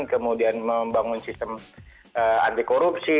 kemudian membangun sistem anti korupsi